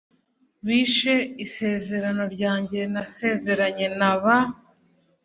bishe isezerano ryanjye nasezeranye na ba